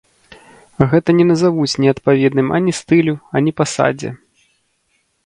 Гэта не назавуць неадпаведным ані стылю, ані пасадзе.